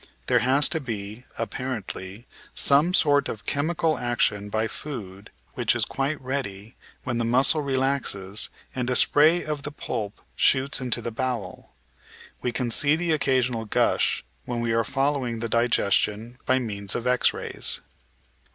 There has to be, apparently, some sort of chemical action by food which is quite ready, then the muscle relaxes, and a spray of the pulp shoots into the bowel. We can see the occasional gush when we are following the digestion by means of X rays.